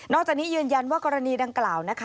นอกจากนี้ยืนยันว่ากรณีดังกล่าว